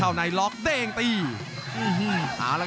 รับทราบบรรดาศักดิ์